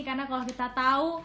karena kalau kita tahu